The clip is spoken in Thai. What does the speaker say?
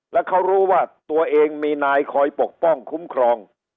แล้วเขารู้ว่าตัวเองมีนายคอยปกป้องคุ้มครอง